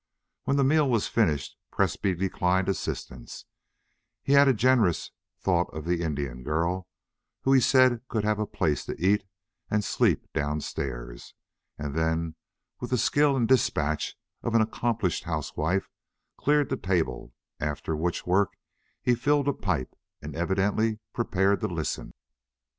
When the meal was finished Presbrey declined assistance, had a generous thought of the Indian girl, who, he said, could have a place to eat and sleep down stairs, and then with the skill and despatch of an accomplished housewife cleared the table, after which work he filled a pipe and evidently prepared to listen.